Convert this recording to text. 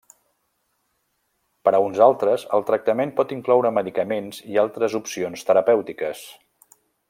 Per a uns altres, el tractament pot incloure medicaments i altres opcions terapèutiques.